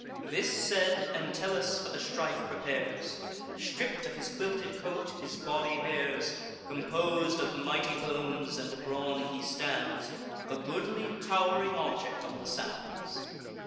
This said, Entellus for the strife prepares; Stripp'd of his quilted coat, his body bares; Compos'd of mighty bones and brawn he stands, A goodly tow'ring object on the sands.